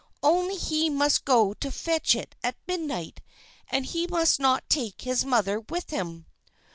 Only he must go to fetch it at midnight, and he must not take his mother with him."